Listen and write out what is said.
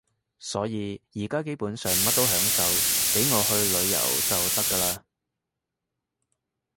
所以而家基本上乜都享受，畀我去旅行就得㗎喇